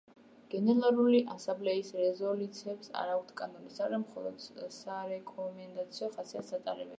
გენერალური ასამბლეის რეზოლუციებს არა აქვთ კანონის ძალა, მხოლოდ სარეკომენდაციო ხასიათს ატარებენ.